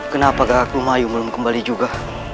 kenapa kakakku mayu belum kembali juga